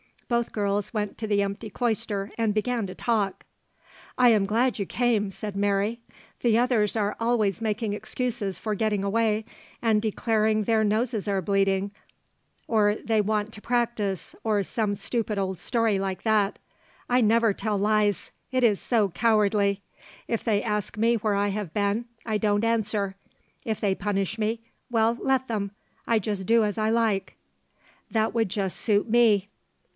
Both girls went to the empty cloister, and began to talk: 'I am glad you came,' said Mary. 'The others are always making excuses for getting away, and declaring their noses are bleeding or they want to practise, or some stupid old story like that. I never tell lies; it is so cowardly. If they ask me where I have been, I don't answer. If they punish me well, let them! I just do as I like.' 'That would just suit me.'